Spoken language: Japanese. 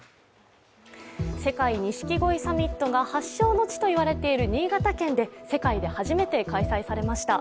世界錦鯉サミットが発祥の地といわれている新潟県で世界で初めて開催されました。